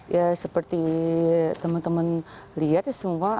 ya seperti teman teman lihat semua